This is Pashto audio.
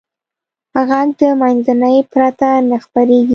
غږ د منځنۍ پرته نه خپرېږي.